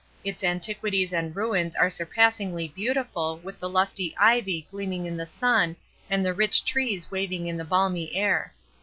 Its antiquities and ruins are surpassingly beautiful with the lusty ivy gleaming in the sun and the rich trees waving in the balmy air.